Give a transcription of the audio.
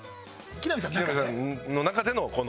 木南さんの中でのこの。